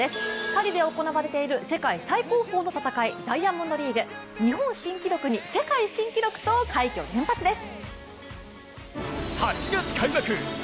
パリで行われている世界最高峰の戦い、ダイヤモンドリーグ。日本新記録に世界新記録と、快挙連発です。